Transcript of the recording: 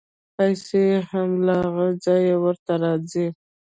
پیسې هم له هغه ځایه ورته راځي.